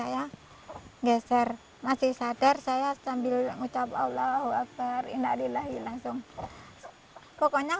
saya geser masih sadar saya sambil ngucap allah wabar innalillahi langsung pokoknya